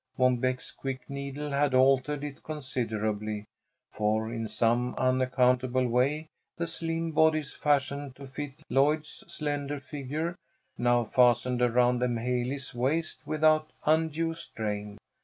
Mom Beck's quick needle had altered it considerably, for in some unaccountable way the slim bodice fashioned to fit Lloyd's slender figure, now fastened around M'haley's waist without undue strain.